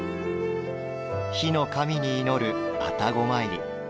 火の神に祈る愛宕詣り。